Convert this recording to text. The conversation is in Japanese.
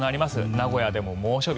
名古屋でも猛暑日。